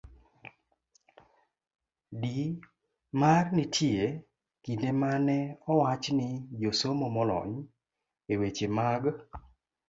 D. mar Nitie kinde ma ne owach ni josomo molony e weche mag